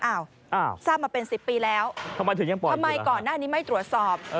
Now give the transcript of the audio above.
อ้าวทราบมาเป็น๑๐ปีแล้วทำไมก่อนหน้านี้ไม่ตรวจสอบ